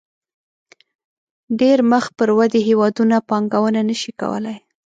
ډېری مخ پر ودې هېوادونه پانګونه نه شي کولای.